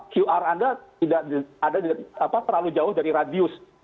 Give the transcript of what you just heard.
qr anda tidak ada terlalu jauh dari radius